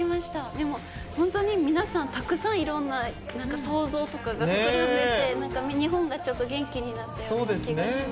でも、本当に皆さん、たくさんいろんな、なんか想像とかが膨らんできて、なんか日本がちょっと元気になったような気がします。